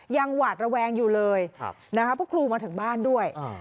ยังหวาดระแวงอยู่เลยพวกครูมาถึงบ้านด้วย